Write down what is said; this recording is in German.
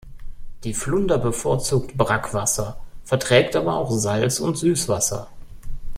Die Flunder bevorzugt Brackwasser, verträgt aber auch Salz- und Süßwasser.